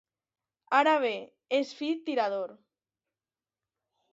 Ara bé, és fi tirador.